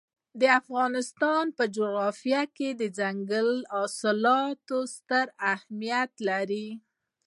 د افغانستان په جغرافیه کې دځنګل حاصلات ستر اهمیت لري.